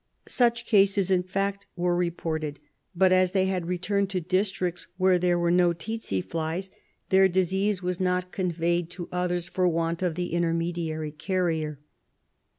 Such cases, in fact, were re ported, but as they had returned to districts where there were no tsetse flies, their disease was not conveyed to others for want of the intermediary carrier.